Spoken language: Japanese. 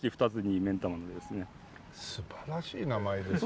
素晴らしい名前ですね